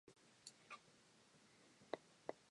Gates is also a Guggenheim Fellow.